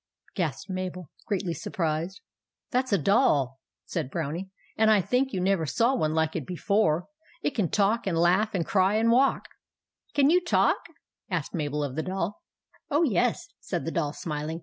gasped Mabel, greatly surprised. "That s a doll," said the Brownie; "and I think you never saw one like it before. It can talk and laugh and cry and walk." " Can you talk? " asked Mabel of the Doll " Oh, yes," said the Doll, smiling.